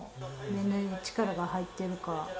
目に力が入っているか。